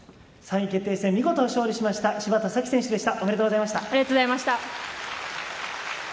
３位決定戦、見事勝利した芝田沙季選手でした。